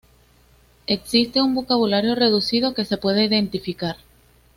Existe un vocabulario reducido que se puede identificar.